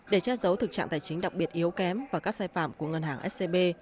để che giấu thực trạng tài chính đặc biệt yếu kém và các sai phạm của ngân hàng scb